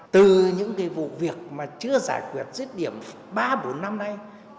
từ những vụ việc mà chưa giải quyết dứt điểm ba bốn năm nay